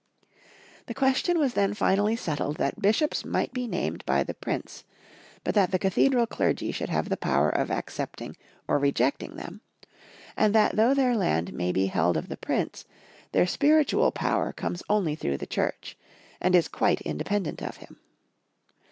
The question was then finally S3ttled that Bishops might be named by the prince, but that the cathedral clergy should have the power of ac cepting or rejecting them, and that though their land may be held of the prince, their spiritual power comes only through the Church, and is quite independent of him.